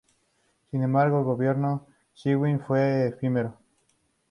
Sin embargo, el gobierno de Sewell fue efímero.